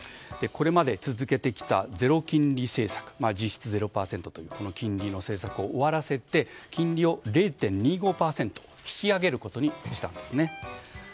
これまで続けてきたゼロ金利政策実質０％という金利の政策を終わらせて金利を０．２５％引き上げることにしたんですね。